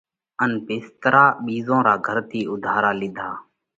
ان ڀسترا ٻِيزون رو گھرون ٿِي اُوڌارا لِيڌا۔